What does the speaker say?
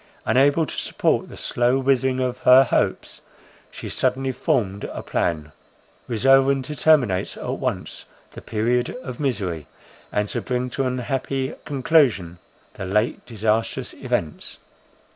Unable to support the slow withering of her hopes, she suddenly formed a plan, resolving to terminate at once the period of misery, and to bring to an happy conclusion the late disastrous events.